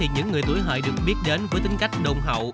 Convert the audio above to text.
những người tuổi hợi được biết đến với tính cách đôn hậu